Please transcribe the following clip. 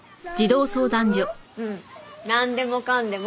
うんなんでもかんでも。